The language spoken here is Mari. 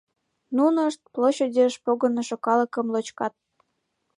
Нунышт площадьыш погынышо калыкым лочкат.